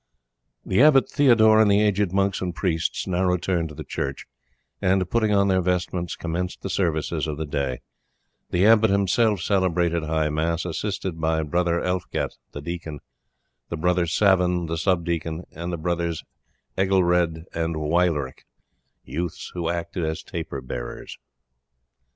The abbot Theodore and the aged monks and priests now returned to the church, and, putting on their vestments, commenced the services of the day; the abbot himself celebrated high mass, assisted by brother Elfget the deacon, brother Savin the sub deacon, and the brothers Egelred and Wyelric, youths who acted as taper bearers.